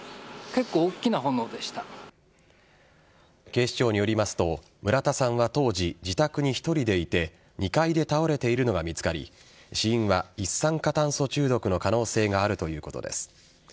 警視庁によりますと村田さんは当時自宅に１人でいて２階で倒れているのか見つかり死因は一酸化炭素中毒の可能性があるということです。